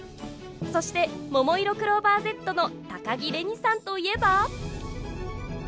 そしてももいろクローバーＺの高城れにさんといえば。